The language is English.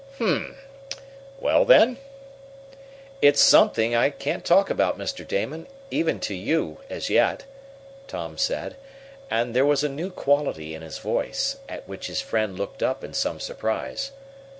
"Um! Well, then " "It's something I can't talk about, Mr. Damon, even to you, as yet," Tom said, and there was a new quality in his voice, at which his friend looked up in some surprise.